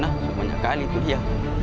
nah semuanya kali itu dia